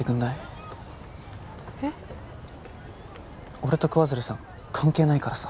俺と桑鶴さん関係ないからさ